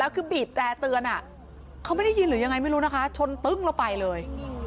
เขาไม่ได้ยินหรือยังไงไม่รู้นะคะชนตึ้งแล้วไปเลย